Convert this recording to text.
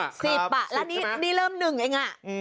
๑๐อะแล้วนี่เริ่ม๑เองอะ